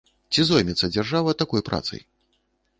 Ці зоймецца дзяржава такой працай?